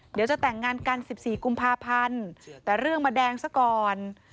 เดี๋ยวจะแต่งงานกัน๑๔กุมภาพันธ์แต่เรื่องมาแดงซะก่อน